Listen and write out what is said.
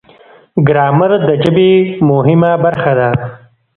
ګرامر د ژبې مهمه برخه ده.